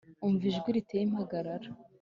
Umva ijwi riteye impagarara.